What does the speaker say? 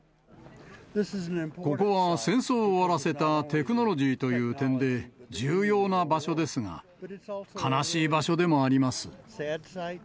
ここは戦争を終わらせたテクノロジーという点で、重要な場所ですが、悲しい場所でもあります。